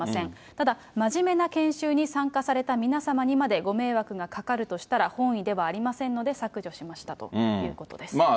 ただ真面目な研修に参加された皆様にまでご迷惑がかかるとしたら、本意ではありませんので、削除しましたということです。